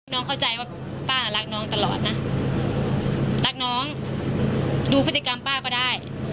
น้องเข้าใจว่าป้ารักน้องตลอดนะรักน้องดูพฤติกรรมป้าก็ได้